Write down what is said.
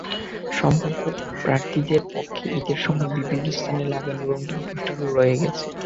সম্ভাব্য প্রার্থীদের পক্ষে ঈদের সময় বিভিন্ন স্থানে লাগানো রঙিন পোস্টারও রয়ে গেছে।